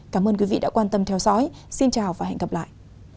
cảm ơn quý vị đã theo dõi và hẹn gặp lại